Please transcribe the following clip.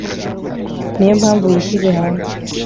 niyo mpamvu yishyize hanze